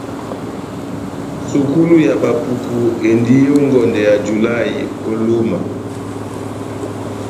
Sukulu ya bapuku endi ó ngɔndɛ yá julahï ó Lúma.